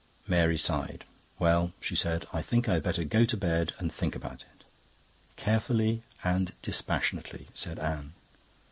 Mary sighed. "Well," she said, "I think I had better go to bed and think about it." "Carefully and dispassionately," said Anne.